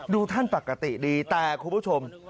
ท่านปกติดีแต่คุณผู้ชม